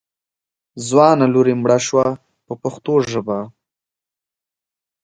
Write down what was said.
ځوانه لور یې مړه شوه په پښتو ژبه.